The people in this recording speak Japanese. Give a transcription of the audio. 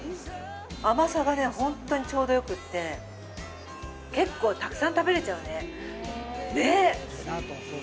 甘さがね、本当にちょうどよくて結構たくさん食べれちゃうね。